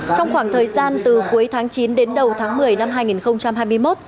trong khoảng thời gian từ cuối tháng chín đến đầu tháng một mươi năm hai nghìn hai mươi một